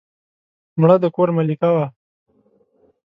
مړه د کور ملکه وه